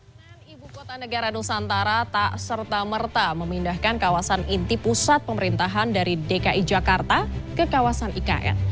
pembangunan ibu kota negara nusantara tak serta merta memindahkan kawasan inti pusat pemerintahan dari dki jakarta ke kawasan ikn